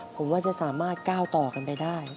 ผมว่าจะสามารถก้าวต่อกันไปได้